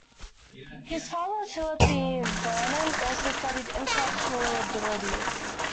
His father Philip E. Vernon also studied intellectual abilities.